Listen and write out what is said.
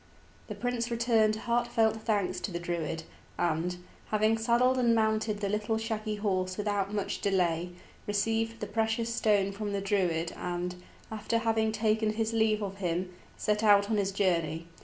The prince returned heartfelt thanks to the Druid, and, having saddled and mounted the little shaggy horse without much delay, received the precious stone from the Druid, and, after having taken his leave of him, set out on his journey.